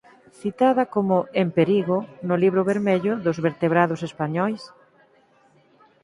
Citada como "en perigo" no Libro Vermello dos Vertebrados Españois.